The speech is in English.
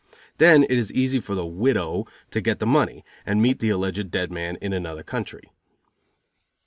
Then it is easy for the "widow" to get the money, and meet the alleged dead man in another country.